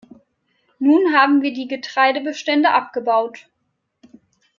Nun haben wir die Getreidebestände abgebaut.